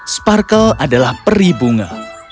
sparkle adalah peri bunga